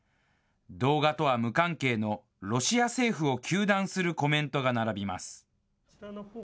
動画とは無関係のロシア政府を糾弾するコメントが並びます。